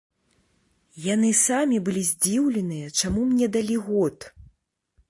Яны самі былі здзіўленыя, чаму мне далі год.